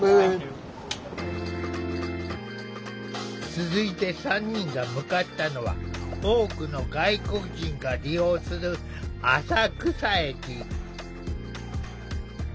続いて３人が向かったのは多くの外国人が利用する浅草駅。